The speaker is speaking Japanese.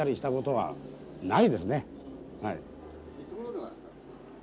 はい。